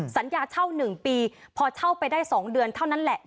สัญญาเช่า๑ปีพอเช่าไปได้๒เดือนเท่านั้นแหละ